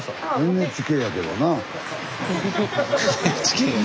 「ＮＨＫやけどな」。